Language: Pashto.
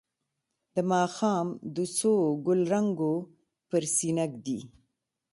د ماښام د څو ګلرنګو پر سینه ږدي